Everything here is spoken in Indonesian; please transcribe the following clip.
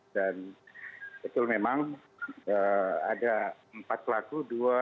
dan itu memang ada empat pelaku